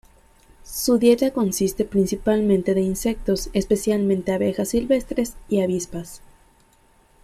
Su dieta consiste principalmente de insectos, especialmente abejas silvestres y avispas.